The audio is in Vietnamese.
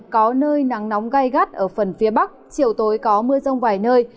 có nơi nắng nóng gai gắt ở phần phía bắc chiều tối có mưa rông vài nơi